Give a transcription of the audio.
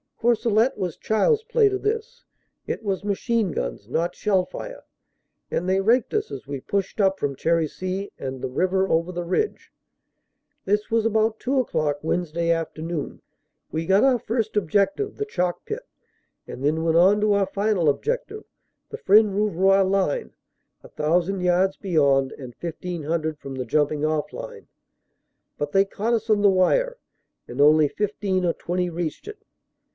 "Courcellete was child s play to this. It was machine guns, not shell fire, and they raked us as we pushed up from Cherisy and the river over the ridge. This was about two o clock Wednesday afternoon. We got our first objective, the chalk pit, and then went on to our final objective, the Fresnes Rouv roy line, a thousand yards beyond and fifteen hundred from the jumping ofT line, but they caught us on the wire and only 15 or 20 reached it.